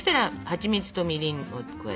はちみつとみりん？